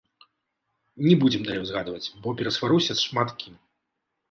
Не будзем далей узгадваць, бо перасваруся з шмат кім.